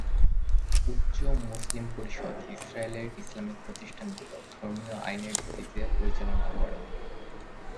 উচ্চ মুসলিম পরিষদ ইসরায়েলের ইসলামিক প্রতিষ্ঠানগুলো ধর্মীয় আইনের ভিত্তিতে পরিচালনা করে।